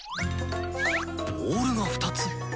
ボールが２つ？